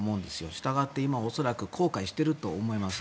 したがって今、恐らく後悔してると思います。